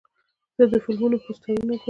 زه د فلمونو پوسټرونه ګورم.